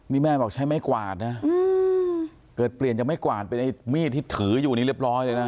นี่แม่บอกใช้ไม้กวาดนะเกิดเปลี่ยนจากไม้กวาดเป็นไอ้มีดที่ถืออยู่นี่เรียบร้อยเลยนะ